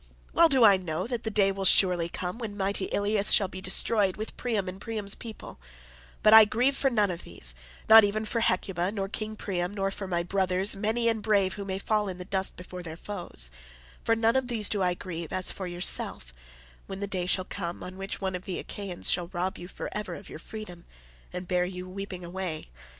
Well do I know that the day will surely come when mighty Ilius shall be destroyed with Priam and Priam's people, but I grieve for none of these—not even for Hecuba, nor King Priam, nor for my brothers many and brave who may fall in the dust before their foes—for none of these do I grieve as for yourself when the day shall come on which some one of the Achaeans shall rob you for ever of your freedom, and bear you weeping away.